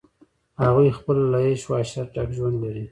هغوی خپله له عیش و عشرته ډک ژوند لري.